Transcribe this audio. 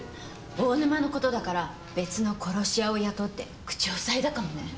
大沼の事だから別の殺し屋を雇って口をふさいだかもね。